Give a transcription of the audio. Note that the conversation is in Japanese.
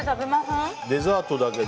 デザートだけど。